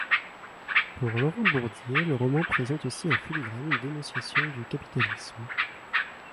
Pour Laurent Bourdier, le roman présente aussi en filigrane une dénonciation du capitalisme.